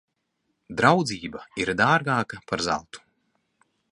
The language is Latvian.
Draudzība ir dārgāka par zeltu.